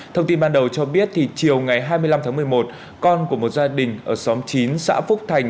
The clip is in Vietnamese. thông tin ban đầu cho biết chiều ngày hai mươi năm tháng một mươi một con của một gia đình ở xóm chín xã phúc thành